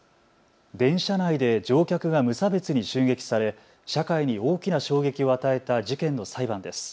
電車内で乗客が無差別に襲撃され社会に大きな衝撃を与えた事件の裁判です。